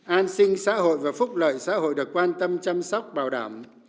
an sinh xã hội và phúc lợi xã hội được quan tâm chăm sóc bảo đảm